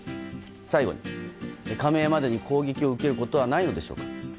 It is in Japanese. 最後に加盟までに攻撃を受けることはないのでしょうか。